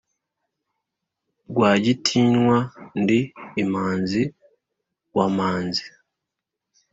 Rwagitinywa ndi Imanzi wa Manzi,